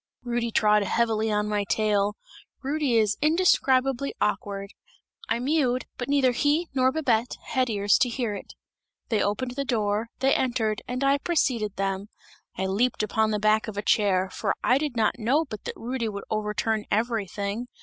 Rudy trod heavily on my tail! Rudy is indescribably awkward; I mewed, but neither he nor Babette had ears to hear it. They opened the door, they entered and I preceded them; I leaped upon the back of a chair, for I did not know but that Rudy would overturn everything!